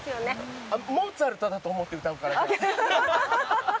モーツァルトだと思って歌うから。